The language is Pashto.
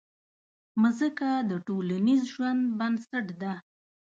مځکه د ټولنیز ژوند بنسټ ده.